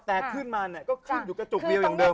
แต่ขึ้นมาเนี่ยก็ขึ้นอยู่กระจุกเดียวอย่างเดิ